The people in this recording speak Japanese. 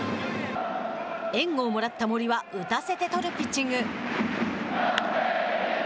援護をもらった森は打たせて取るピッチング。